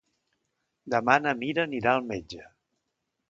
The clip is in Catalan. Demà na Mira anirà al metge.